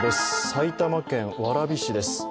埼玉県蕨市です。